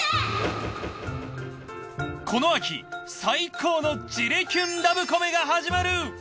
この秋最高の焦れキュンラブコメが始まる！